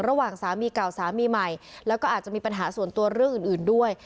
ระหว่างสามีเก่าสามีใหม่แล้วก็อาจจะมีปัญหาส่วนตัวเรื่องอื่นด้วย